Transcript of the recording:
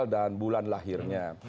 dan bulan lahirnya